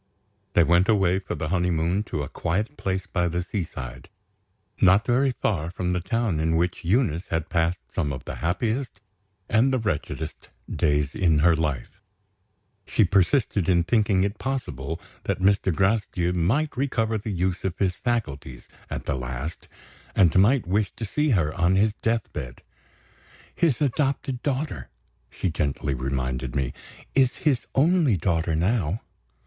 They went away for their honeymoon to a quiet place by the seaside, not very far from the town in which Eunice had passed some of the happiest and the wretchedest days in her life. She persisted in thinking it possible that Mr. Gracedieu might recover the use of his faculties, at the last, and might wish to see her on his death bed. "His adopted daughter," she gently reminded me, "is his only daughter now."